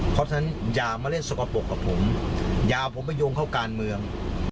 เพราะฉะนั้นอย่ามาเล่นสกปรกกับผมอย่าผมไปโยงเข้าการเมือง